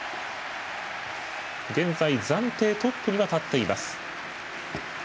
現在、暫定トップには立っています。